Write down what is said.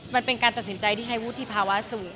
มันเป็นการตัดสินใจที่ใช้วุฒิภาวะสูง